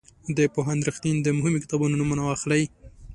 د پوهاند رښتین د مهمو کتابونو نومونه واخلئ.